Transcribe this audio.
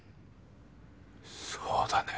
そうだね。